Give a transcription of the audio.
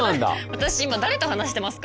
私今誰と話してますか？